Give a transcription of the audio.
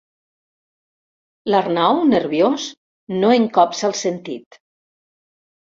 L'Arnau, nerviós, no en copsa el sentit.